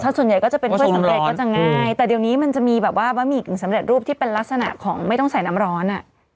ส่วนใหญ่ก็จะเป็นกล้วยสำเร็จก็จะง่ายแต่เดี๋ยวนี้มันจะมีแบบว่าบะหมี่กึ่งสำเร็จรูปที่เป็นลักษณะของไม่ต้องใส่น้ำร้อนอ่ะ